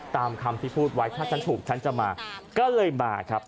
ตามคำที่พูดไว้ถ้าฉันถูกฉันจะมาก็เลยมาครับ